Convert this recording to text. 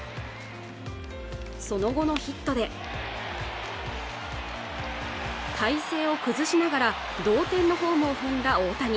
その後のヒットで体勢を崩しながら同点のホームを踏んだ大谷